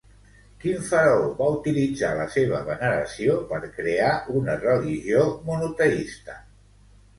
Quin faraó va utilitzar la seva veneració per crear una religió monoteista?